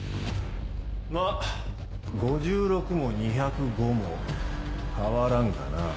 まぁ５６も２０５も変わらんがなぁ。